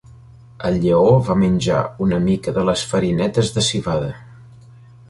El lleó va menjar una mica de les farinetes de civada.